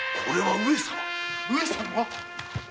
上様⁉